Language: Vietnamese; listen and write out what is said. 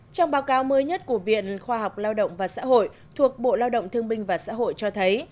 trong báo cáo mới nhất của viện khoa học lao động và xã hội thuộc bộ lao động thương binh và xã hội cho thấy